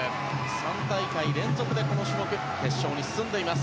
３大会連続でこの種目決勝に進んでいます。